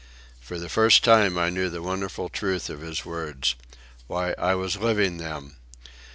For the first time I knew the wonderful truth of his words. Why, I was living them.